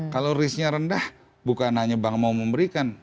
kalau risk nya rendah bukan hanya bank mau memberikan